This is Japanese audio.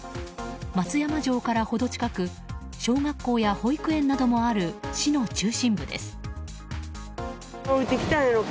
松山城から程近く小学校や保育園などもある市の中心部です。